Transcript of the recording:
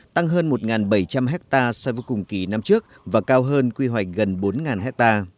tăng hơn một bảy trăm linh hectare so với cùng kỳ năm trước và cao hơn quy hoạch gần bốn ha